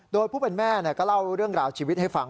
โดยผู้เป็นแม่ก็เล่าเรื่องราวชีวิตให้ฟัง